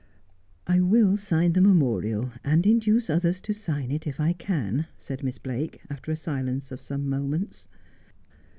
' I will sign the memorial, and induce others to sign it if I can,' said Miss Blake, after a silence of some moments.